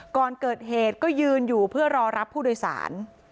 ก่อนเกิดเหตุก็ยืนอยู่เพื่อรอรับผู้โดยสาร